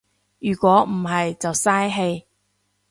如果唔係就嘥氣